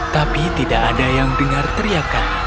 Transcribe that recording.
tapi tidak ada yang dengar teriakan